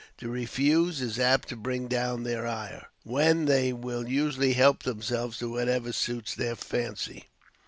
To refuse is apt to bring down their ire, when they will usually help themselves to whatever suits their fancy.